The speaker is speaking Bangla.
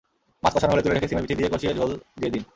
মাছ কষানো হলে তুলে রেখে শিমের বিচি দিয়ে কষিয়ে ঝোল দিয়ে দিন।